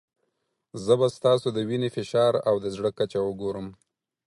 زه به ستاسو د وینې فشار او د زړه کچه وګورم.